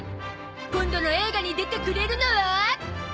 今度の映画に出てくれるのは